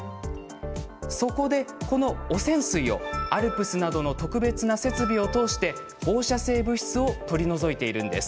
そこで、この汚染水をＡＬＰＳなどの特別な設備を通して放射性物質を取り除いています。